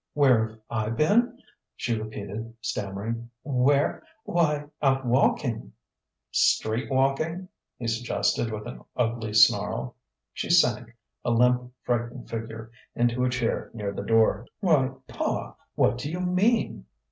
"Where've I been?" she repeated, stammering. "Where.... Why out walking " "Street walking?" he suggested with an ugly snarl. She sank, a limp, frightened figure, into a chair near the door. "Why, pa what do you mean?"